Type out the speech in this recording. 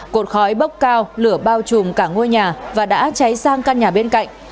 cột khói bốc cao lửa bao trùm cả ngôi nhà và đã cháy sang căn nhà bên cạnh